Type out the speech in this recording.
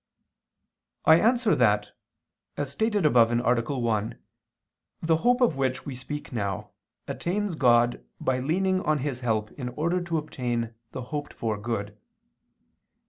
I answer that, As stated above (A. 1), the hope of which we speak now, attains God by leaning on His help in order to obtain the hoped for good.